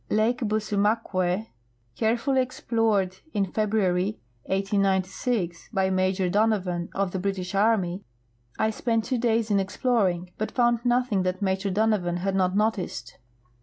Lake Busuniakwe, care fully explored in February, 1896, by Major Donovan, of the British army, I spent two days in exploring, ])Ut found nothing that Major Donovan had not noticed.